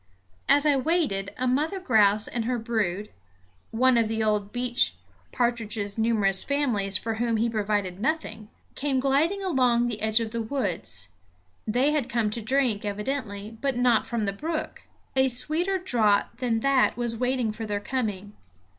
As I waited a mother grouse and her brood one of the old beech partridge's numerous families for whom he provided nothing came gliding along the edge of the woods. They had come to drink, evidently, but not from the brook. A sweeter draught than that was waiting for their coming.